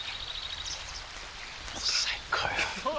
最高よ。